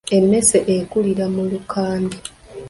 Emmese ekulira mu lukande.